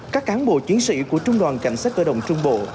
các cán bộ chiến sĩ của trung đoàn cảnh sát cơ động trung bộ